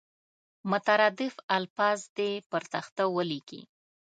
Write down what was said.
مترادف الفاظ دې پر تخته ولیکي.